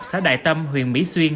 xã đại tâm huyện mỹ xuyên